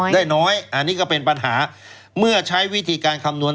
ได้น้อยอันนี้ก็เป็นปัญหาเมื่อใช้วิธีการคำนวณ